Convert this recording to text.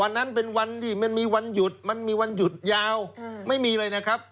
วันนั้นเป็นวันที่มันมีวันหยุดมันมีวันหยุดยาวไม่มีเลยนะครับ